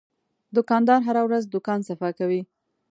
دوکاندار هره ورځ دوکان صفا کوي.